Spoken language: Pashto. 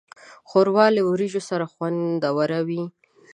ښوروا له وریژو سره خوندوره وي.